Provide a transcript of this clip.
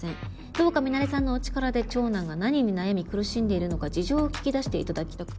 「どうかミナレさんのお力で長男が何に悩み苦しんでいるのか事情を聞き出して頂きたく」